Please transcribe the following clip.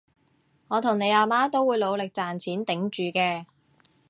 我同你阿媽都會努力賺錢頂住嘅